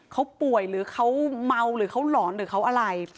เขาป่วยหรือเขาเมาหรือเขาหลอนหรือเขาอะไร